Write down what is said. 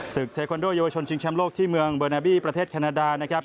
เทคอนโดเยาวชนชิงแชมป์โลกที่เมืองเบอร์นาบี้ประเทศแคนาดานะครับ